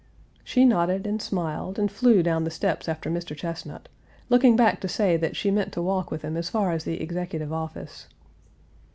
She nodded and smiled, and flew down the steps after Mr. Chesnut, looking back to say that she meant to walk with him as far as the Executive Office.